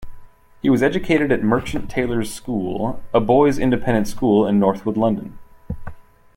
He was educated at Merchant Taylors' School, a boys' independent school in Northwood, London.